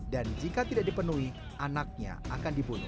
dan jika tidak dipenuhi anaknya akan dibunuh